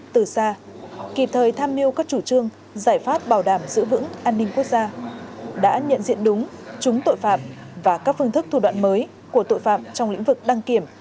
từ xa kịp thời tham mưu các chủ trương giải pháp bảo đảm giữ vững an ninh quốc gia đã nhận diện đúng chúng tội phạm và các phương thức thủ đoạn mới của tội phạm trong lĩnh vực đăng kiểm